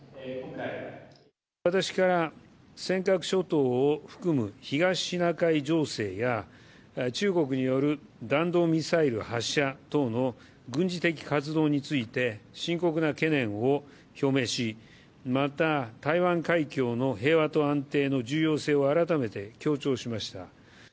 私から尖閣諸島を含む東シナ海情勢や、中国による弾道ミサイル発射等の軍事的活動について、深刻な懸念を表明し、また、台湾海峡の平和と安定の重要性を改めて強調しました。